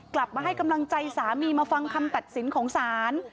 กลับมาให้กำลังใจสามีมาฟังคำตัดสินของศาล